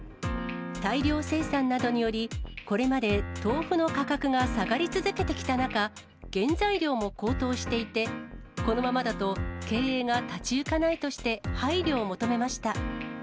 大量生産などにより、これまで豆腐の価格が下がり続けてきた中、原材料も高騰していて、このままだと経営が立ち行かないとして、配慮を求めました。